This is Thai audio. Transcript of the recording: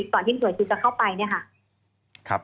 ก่อนที่สวยสุดจะเข้าไป